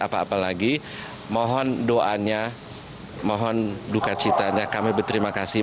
apa apa lagi mohon doanya mohon duka citanya kami berterima kasih